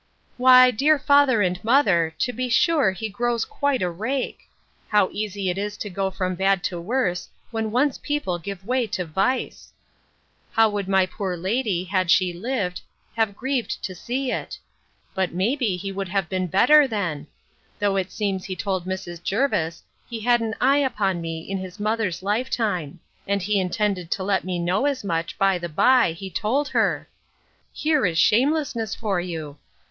Why, dear father and mother, to be sure he grows quite a rake! How easy it is to go from bad to worse, when once people give way to vice! How would my poor lady, had she lived, have grieved to see it! but may be he would have been better then! Though it seems he told Mrs. Jervis, he had an eye upon me in his mother's life time; and he intended to let me know as much, by the bye, he told her! Here is shamelessness for you!